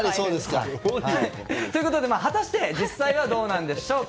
やはりそうですか。ということで果たして実際はどうなんでしょうか？